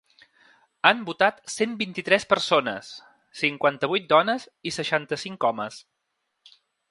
Han votat cent vint-i-tres persones! cinquanta-vuit dones i seixanta-cinc homes.